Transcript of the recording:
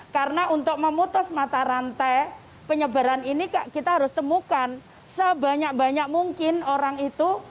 karena untuk memutus mata rantai penyebaran ini kita harus temukan sebanyak banyak mungkin orang itu